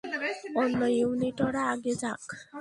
অন্য ইউনিটরা আগে যাক।